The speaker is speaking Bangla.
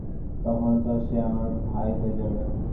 যখন সে তার পাপ কাজ ছেড়ে দিবে তখনতো সে আমার ভাই হয়ে যাবে।